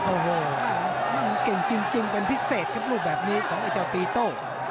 โอ้โหมันเก่งจริงเป็นพิเศษครับลูกแบบนี้ของไอ้เจ้าตีโต้